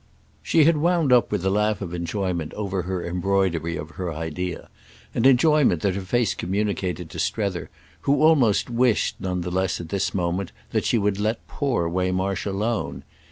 She had wound up with a laugh of enjoyment over her embroidery of her idea—an enjoyment that her face communicated to Strether, who almost wished none the less at this moment that she would let poor Waymarsh alone.